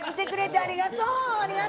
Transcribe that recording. ありがとう！